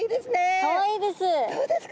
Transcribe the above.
かわいいですね。